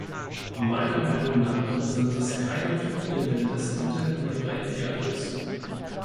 Meiner Meinung nach sind das keine Tugenden des interkulturellen Dialogs.